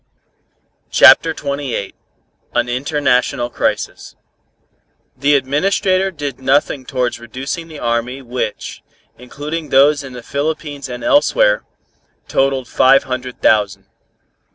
CHAPTER XXVIII AN INTERNATIONAL CRISIS The Administrator did nothing towards reducing the army which, including those in the Philippines and elsewhere, totalled five hundred thousand.